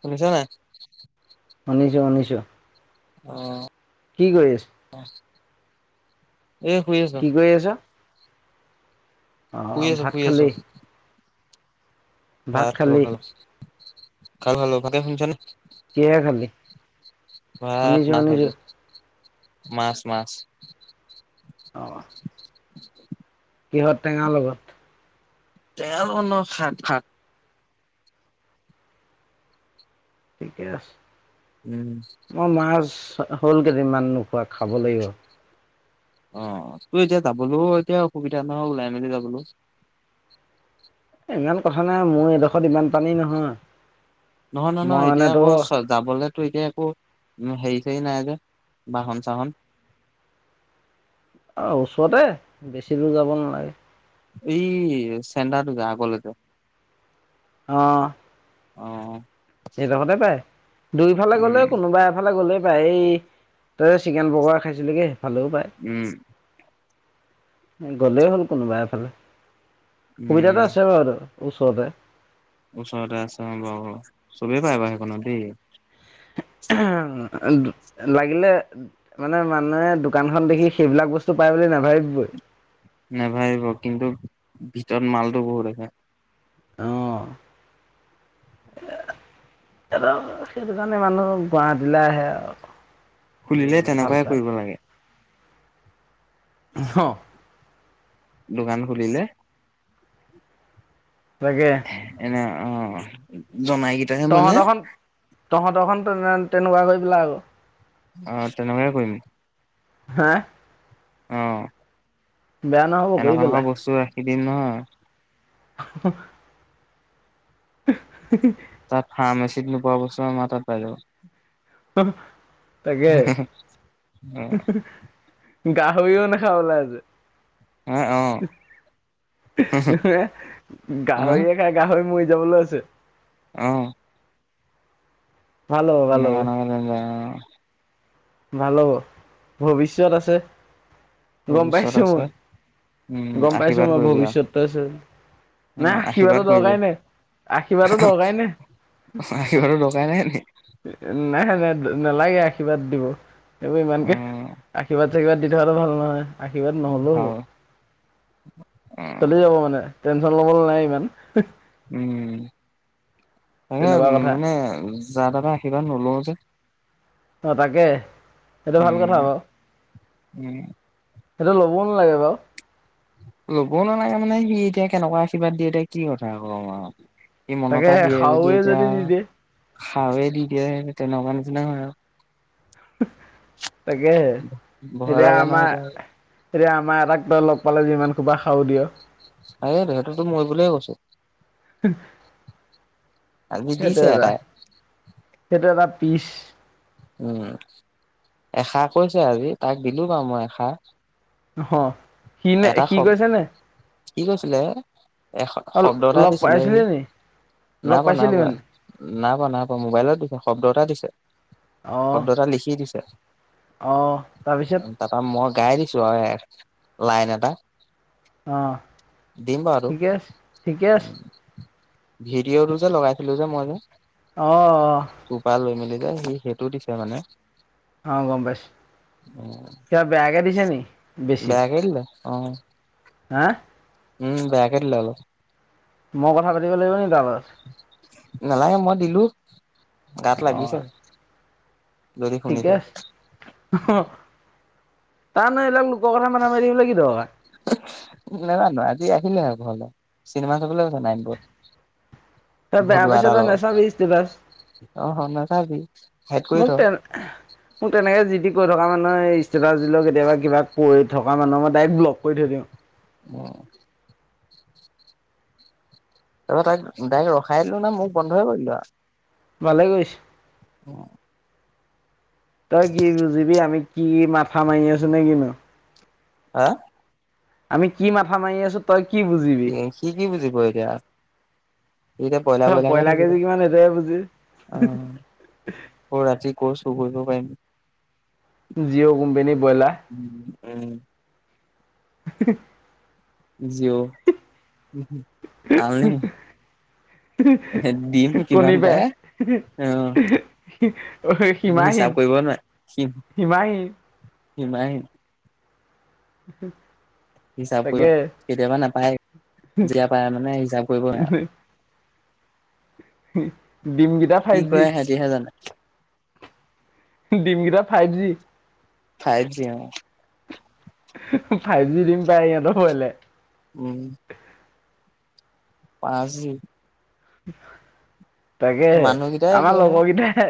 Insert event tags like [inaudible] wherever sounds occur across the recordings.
শুনিছ নাই। শুনিছোঁ শুনিছোঁ। অ' কি কৰি আছ। এ শুই আছো। কি কৰি আছ অ শুই আছো, 'ভাত শুই আছো, খালি ভাত ক খালো খালো খালো ভালকে শুনিছ নে। কিহেৰে খালি। ভাত শুনিছো মাছ শুনিছো আজি মাছ মাছ। অহ। [unintelligible] কিহত টেঙাৰ লগত। তেৰা লগত নহয় শাক শাক। ঠিকে আছে উম, মই মাছ। হ'ল কেইদিনমান নোখোৱা খাব লাগিব। অ 'তোৰ এতিয়া যাবলৈও এতিয়া অসুবিধা নহয় ওলাই মেলি যাবলৈও ইমান কথা নাই মোৰ এডোখৰত ইমান পানী নহয়। নহয় নহয় মই নহয় মানে এতিয়া তো আকৌ চ যাবলেতো এতিয়া একো হেৰি। হেৰি নাই যে বাহন চাহন। অ ওচৰতে বেছি দূৰ যাব নালাগে এই চেণ্টাৰটো যে আগলে যে অহ অ সে ডখতে পায় দুইফালে গ'লেও উম। কোনোবা এফালে গ'লেও পাই এই তই চিকেন পকৰা খাইছিলিগে সেইফালেও পায় উম গ'লেই হ'ল কোনোবা এফালে উম, সুবিধাটো আছে বাৰু তাত ওচৰতে ওচৰতে আছে অ বাৰু অ চবেই পায় বাৰু সেইখনত দেই লাগিলে মানে মানুহে দোকান খন দেখি সেইবিলাক বস্তু বস্তু পাই বুলি নাভাবিবই নেভাবিব কিন্তু ভিতৰত মালটো বহুত আছে অ এটা কথা সেইটো কাৰণে মানুহ গুৱাহাটীলে আহে আৰু খুলিলে থাকিবলৈ ভাল তেনেকুৱাই পায়। কৰিব লাগে অ হ দোকান খুলিলে তাকে এনে অ জনাই কেইটাহে মানে তহঁতৰখন তহঁতৰখন তেনেকুৱা কৰি পেলাবি অ তেনেকাই কৰিম হেএ অ নহ'ব কৰি এনেকুৱা এনেকুৱা বস্তু ৰাখি দিম নহয় অ হ অঁহ হু হু তাত ফাৰ্মাচিত নোপোৱা বস্তু আমাৰ তাত পাই যাব। তাকে। অ গাহৰিও নাখাওঁ অলা জে অ গাহৰিয়ে গাহইয়ে খাই গাহৰি মৰি যাব লৈছে। অহ। ভাল হ'ব ভাল হ'ব [unintelligible] ভাল হ'ব। ভৱিষ্যত আছে। গম তাৰপিছত পাইছো আছে মই। উম গম পাইছো আশীৰ্বাদ মই কৰিবি আৰু ভৱিষ্যতো আছে। নাই অ আশীৰ্বাদ আশীৰ্বাদৰ কৰিবি দৰকাৰে নাই। আশীৰ্বাদৰ দৰকাৰে নাই। আশীৰ্বাদৰ দৰকাৰ নাই নি? নাই হে না নালাগে আশীৰ্বাদ দিব। এইবোৰ অ ইমানকে আশীৰ্বাদ চাশীৰ্বাদ দি থকাটো ভাল নহয় আশীৰ্বাদ নহলেও ভাল হ'ব। অ চলি যাব মানে টেনচন ল'বলে নাই ইমান। উম, অ', তেনেকুৱা কথা মানে যা তাপা আশীৰ্বাদ নলও যে। অ', তাকে। এইটো ভাল উম কথা আক উম সেইটো ল'বও নালাগে বাৰু। ল'ব নালাগে মানে সি এতিয়া কেনেকুৱা আশীৰ্বাদ দিয়ে এতিয়া কি কথা কম আৰু। ই, মন তাকে পা দিয়ে যদি খাৰুৱে এতিয়া দি আও দিয়ে হাৱে দি দিয়ে তেনেকুৱা নিচিনা হয় আও। তাকেহে ভয় এতিয়া লাগে নহয় আমাৰ এতিয়া এতিয়া আমাৰ এটাক তই লগ পালে যিমান হোপা হাও দিয়। আৰে হেটোতো মৰিবলে কৈছো। সেইটো এটা এটাই সেইটো এটা তিছ উম, এষা কৈছে আজি তাক দিলো বাৰু মই এষা। ন হ সিলে সি গৈছে নাই? কি কৈছিলে? এ, শব্দ এটা লগ দিছিলে সি। পাইছিলি নি নাই লগ পোৱা নাই পাইছিলি পোৱা মানে? নাই পোৱা নাই পোৱা মোবাইলত দিছে শব্দ এটা দিছে। অঁ শব্দ এটা লিখি দিছে। অঁ তাৰপিছত তাৰপৰা মই গাই দিছো আও এখ লাইন এটা। অঁ দিম বাৰু। ঠিকে আছে ঠিকে আছে ভিডিঅটো যে লগাইছিলো যে মই নু। অ', অহ। সি সেইটো দিছে মানে। অ', গম পাইছ উম কিবা বেয়াকে দিছে নি বেছি? [unintelligible] অঁ। হা? উম, বেয়াকে দিলে অলপ। মইও কথা পাতিব লাগিব নেকি তাৰ লগত? নালাগে মই দিলো, গাত অঁ লাগিছে। যদি ঠিকে শুনিছে আছে। তাৰ ন' এইবিলাক নো লোকৰ কথা মাথা মাৰি থাকিবলে কি দৰকাৰ। নাজানো আজি [unintelligible] চিনেমা চাবলে গৈছে নাইন পুৰত তই বেয়া পাইছ' তই নাচাবি ষ্টেটাছ। অ', হ, নাচাবি সেইটোৱে ত মোৰ তেনেকে যি তি কৈ থকা মানুহে ষ্টেটাছ দিলেও কেতিয়াবা কিবা কৰি থকা মানুহে মই ডাইৰেক্ট ব্লক কৰি থৈ দিম। অ। এ তাইক ডাইৰেক্ট ৰখাই দিলো নহয় মোখ বন্ধই কৰি দিলো আৰু। ভালে কৈছে অ', তই কি বুজিবি আমি কি মাথা মাৰি আছো নে কিনো হা? আমি কি মাথা মাৰি আছো তই কি বুজিবি সি কি বুজিব এতিয়া সি এতিয়া বইলা তই বইলাকে ব্ৰইলাৰ থাকিব। কেজি কিমান সেইটোৱে বুজি আহ অ, ৰাতি কছো চুৰ কৰিব পাৰিম। জিঅ' কোম্পানী বইলাৰ উম, ? জিঅ' আন নি ডিম কিমাননো পায় অহ সি সীমাহীন হিচাপ কৰিব নোৱাৰে ডিম সীমাহীন সিমাহিন উ, হিচাপ কৰিব কেতিয়াবা নাপায়ে যেতিয়া পায়ে মানে হিচাপ কৰিব নোৱাৰে আৰু ডিম কেইটা কি ফাইভ জি কৰে সিহঁতিহে জানে ডিমগিটা ফাইভ জি ফাইভ জি অ' ফাইভ জি দিম পাই ইহঁতৰ ফালে। উম, পাঁচ। তাকে হে মানুহকেইটাই আমাৰ একেহে লগৰ গিতায়ে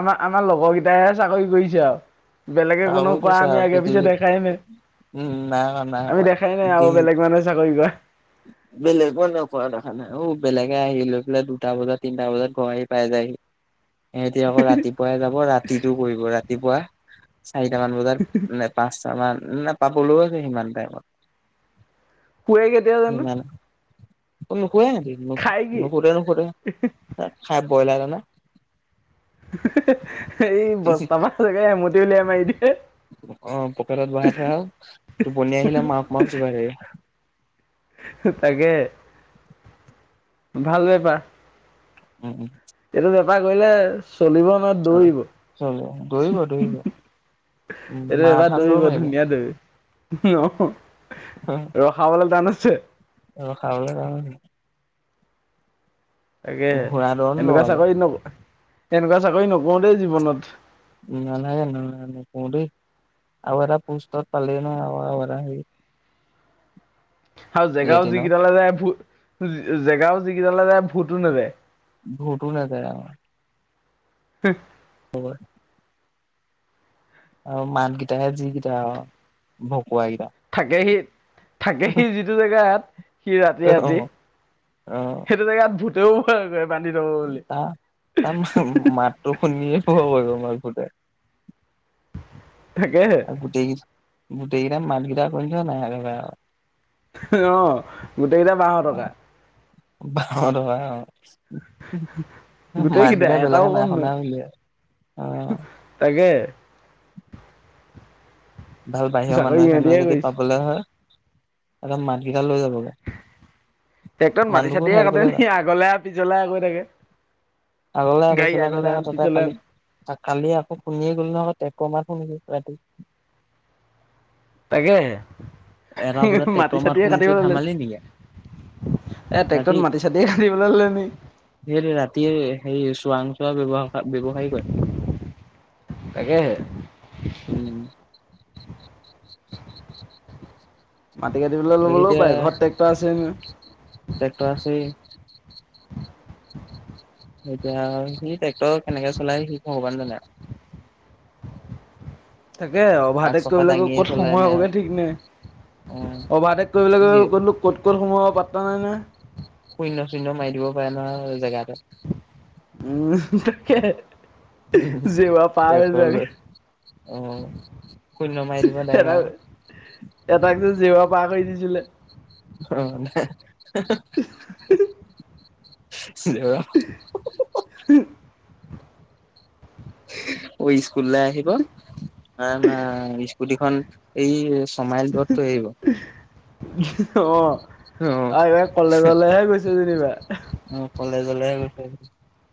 আমাৰ আমাৰ লগৰ গীতয়ে হে চাকৰি কৰিছে আৰু বেলেগে চাবলৈ কোনেও কৰা গৈছা আমি আগে পিছত পৃথিৱী দেখাই নাই উম নাই কৰা নাই কৰা আমি দেখাই নাই দিন আৰু বেলেগ মানুহ চাকৰি কৰা। [inaudible] বেলেগো নোকোৱা দেখা নাই অ, বেলেগে আহি লৈ পেলাই দুটা বজাত তিনটা বজাত ঘৰা আহি পাই যায়হি। [inaudible] সিহতি আকৌ ৰাতিপুৱাই যাব ৰাতিতটো কৰিব ৰাতিপুৱা চাৰিটামান বজাত পাচ তমান নে পাবলৈও আছে সিমান টাইমত শে কেতিয়া জানো? নুশুে নে ন খাই কি নুখুতে - নুখুতে খাই ব্ৰইলাৰ হ ন। এই বস্ত মা চগে এমুটি উলিয়াই মাৰি দিয়ে। অ, পকেটত বহাই থোৱা হ'ল টোপনি আহিলে মাস - মাস যোগাৰ হৰি তাকে ভাল বেপাৰ। উম-উম। এইটো বেপাৰ কৰিলে চলিব ন দৌৰিব। চলে দৌৰিব দৌৰিব উম এইটো এবাৰ মাৰাথান দৌৰ দৌৰিব মাৰিব ধুনীয়া দৌৰি আহ ৰখাবালা টান আছে। ৰখাবলৈ কাৰণে তাকে ঘোঁৰা দৌৰ এনেকুৱা লগাব চাকৰি ন - এনেকুৱা চাকৰি নকৰো দেই জীৱনত। নালাগে ন পৰি আৰা পুষ্টৰ পালন হ আৰু জেগাও যিকেইটালে যায় ভ - কৰে জেগাও যিকেইটালে যায় ভূতো নেদে ঘোটো ন ক আমাৰ হম, হয়ব। আৰু মাতকিটাহে যিকেইটা ভ থাকেহি - থাকেহি যিটো জেগাত। সি ৰাতি - অ ৰাতি অ সেইটো জেগাত ভূতেও বান্ধি থব বুলি তাৰ - তাৰ ম মাতটো শুনিয়ে ভয় খাব লাগি ভূতে। তাকেহে আৰু গোটেই - গোটেইকেইৰা মাটগিৰা কৰি থ নাই [unintelligible] অহ, গোটেইকেইটা বাৰশ টকা। ব হয়। গোটেইকেইটা মাতকেইটাৰ এটাও বেলেগে না কম নহয় শুনা বুলি আৰু তাকে। ভাল বাহিৰৰ চাকৰি মানুহ এখনে ইহঁতিহে যদি কৰিছে পাবলৈ হয় ত মাতকেইটাল লৈ যাবগৈ। টেক্টৰত মাটি চাটিয়ে কাটে নেকি আগলে আৰু পিছলে গৈ থাকে। আগলে গাড়ী আৈচল কৰি আগলে থাকে আন তাতে পিছলে আন কালি - কালি আকৌ শুনিয়ে গ'ল নহকৌ কমাৰ শুনিছ ৰাতি তাকে। এটা বজাত ট্ৰেক্টৰ মাৰ খুলিছো লৈছে ধেমালি নেকি? এ ৰাতি ট্ৰেক্টৰত মাটি চাটিয়ে এ কাটিবলৈ ল'লে নি স ৰাতিয়ে সেই চোৱাং। ক ব্যৱহ হয় ব্যৱসায়িক হয় তাকেহে উম। মাটি কাটিবলৈ বাকী ল'বলৈও এতিয়া পাৰে ঘৰত ট্ৰেক্টৰ ট্ৰেক্টৰ আছে। আছেই এতিয়া সি ট্ৰেক্টৰ কেনেকে চলাই সেইটো হ'বান জানে আৰু। তাকে আগ অভাৰটেক চকা কৰিবলৈাগ দাঙিয়ে ক'ত চলাই সময় নে হ'গে ঠিক নাই। অ অভাৰ টেক কৰিবলৈ যি গলো ক'ত - ক'ত সোমাব পাত্ৰা নাই নহয়। শূন্য - শূন্য মাৰি দিব পাৰে আৰ জেগাতে। উম, ত। টল আহ [unintelligible] শূন্য মাৰি দিব ডাইৰেক্ট এটা আৰু। এটাক যে জেৱা পাৰ কৰি দিছিলে। অ, নাই। [unintelligible] [unintelligible] স্কুলৰে আহ আহিব ম গুটেইখন এই ছমাইল দৰতটো আহিব অ', অ আৰু কলেজলেহে গৈছে যেনিবা গলে গছে [unintelligible]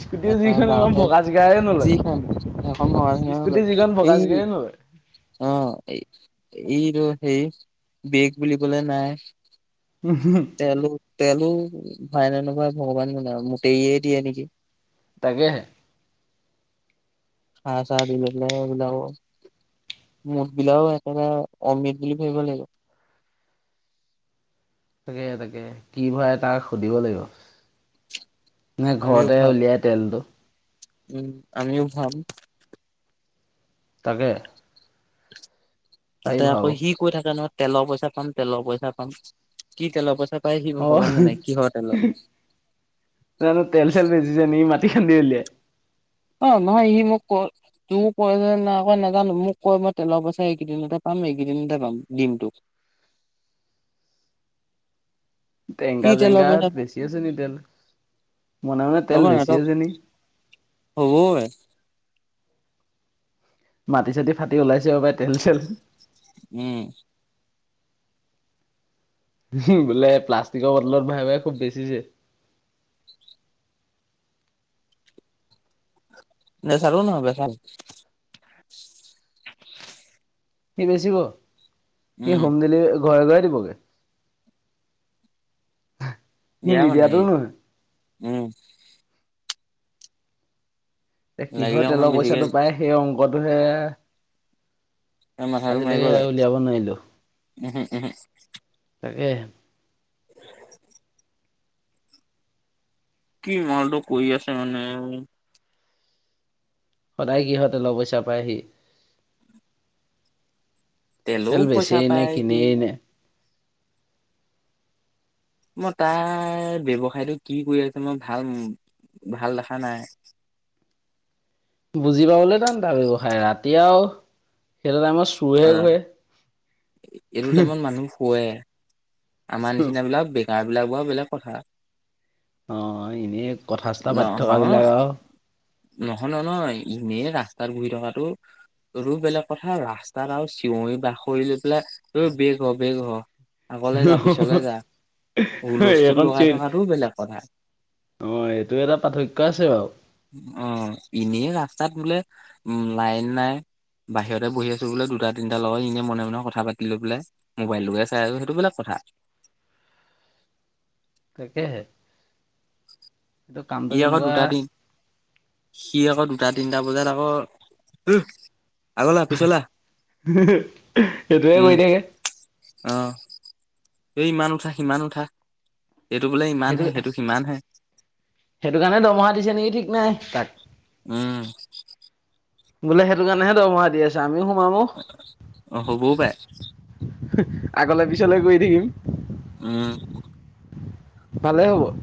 স্কুটি তাৰপৰা যিখন এখন যাওঁতে ভগা চিগাৰে নলয়। যিখন এখন স্কুটি যিখন ভগা [unintelligible] অ', চিগাৰে নলয়। ইটো হেই বেগ বুলি কলে নাই হ তেলো তেলো ভাইনেনেকুৱাই ভগৱানোন মোটৰিয়ে দিয়ে নেকি তাকেহে হা চ়ী লে লাই বলও [unintelligible] মুঠ বিলাকও একেটা অমৃত বুলি ভাবিব লাগিব তাকে, তাকে কি ভয় তাক সুধিব লাগিব নে আমিও ঘৰতে ভৰাম উলিয়াই তেলটো উম, আমিও ভাম তাকে তাতে পাৰিব আকৌ আৰু। সি কৈ থাকে নহয় তেলৰ পইচা পাম তেলৰ পইচা পাম, কি তেলৰ পইচা প অ', জানো তেল চল বেজি য নি মা িকন্দলেে [unintelligible] অ, ' নহয় সি মোক ক তোৰ কয় যে ন কয় নাজানো মোক কয় মই তেলৰ পইচাই এইকেইদিনতে পাম। এইকেইদিন দে পাম দিনটো টেঙগা জেগাত বেছি আছে নি তেল মনে, মনে তেল বেছি আছে নি হব পা মাটি চাটি ফাটি ওলাইছে অবাই তেল চেল উম হু বোলে প্লাষ্টিকৰ বটলত ভৱাই -ভৱাই খুব বেছিছে ন চাৰও ন হব চাৰ [unintelligible] সি বেছিব, সি উম হোম ডেলিভাৰ ঘৰে, ঘৰে দিবগে দিয়া মানুহ ই উম এ কিহৰ লাগিলে অকমান তেলৰ বেছিকে পইচাটো পায় সেই অংকটোহে তা মাথাটো মাৰিব আজিলৈকে লাগে উলিয়াব নোৱাৰিলোঁ উম, হম উম, হম তাকেহে [inaudible] কি মালটো কৰি আছে মানে সদায় কিহৰ তেল পইচা পায় হি তেলও তেল পইচা বেচিয়েই নে পায় সি কিনিয়েই নে মই তাৰ ব্যৱসায়টো কি কৰি আছে মই ভাল ভাল দেখা নাই বুজি পাবলে টান তাৰ ব্যৱসায় ৰাতি আৰু সেইটো টাইমত চোৰহে আহ ঘূৰে এইটো টাইমত মানুহ শুৱে আমাৰ নিচিনাবিলাক বেকাৰ বিলাক বাৰু বেলেগ কথা অ এনেই কথা চথা পাতি নহয় থকাবিলাক আৰু নহলে ন ই ইনে ৰাস্তাত ঘূৰি থকাতটো ৰৌ বেলেগ কথা ৰাস্তাত আৰু চিঞৰি বাখৰি লৈ পেলাই ৰ বেগ হ বেগ হ আগলে যা পিছলে যা হুলস্থুল এইকণ লগাই চিল থকাতটোও বেলেগ কথা অ এইটো এটা পাৰ্থক্য আছে বাৰু অ', এনেই ৰাস্তাত বোলে উম লাইন নাই বাহিৰতে বহি আছো বোলে দুটা তিনিটা লগত এনে মনে মনে কথা পাতি লৈ পেলাই মোবাইলটোকে চাই আছো সেইটো বেলেগ কথা। তাকেহে এইটো সি কামটো আকৌ কেনেকুৱা দুটা দিন সি আকৌ দুটা দুটা তিনটা বজাত আকৌ আগলে আহ পিছলে আহ সেইটোৱে উম কৰি থাকে অ' এই ইমান উঠা সিমান উঠা এইটো বোলে ইমান হে সেইটো সিমানহে সেইটো কাৰণে দৰমহা দিছে নেকি ঠিক নাই তাক উম। বোলে সেইটো কাৰণেহে দৰমহা দি আছে আমিও সোমাম অ' আহ হ'বও পাৰে। আগলৈ পিছলৈ গৈ থাকিম। উম। ভালেই হ'ব